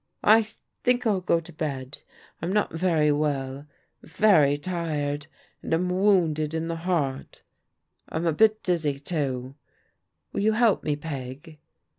I think I'll go to bed. I'm not very well. I'm very tired, and I'm wounded in the heart. I'm a bit dizzy, too. Will you help me. Peg?